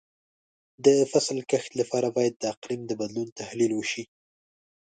د فصل کښت لپاره باید د اقلیم د بدلون تحلیل وشي.